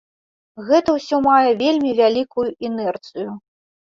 Гэта ўсё мае вельмі вялікую інерцыю.